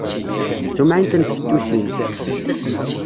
D tumɛint n tfettusin!